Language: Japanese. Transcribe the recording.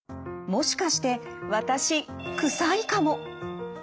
もしかして私臭いかも？